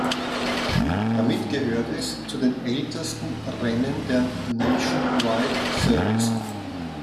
Damit gehört es zu den ältesten Rennen der Nationwide Series.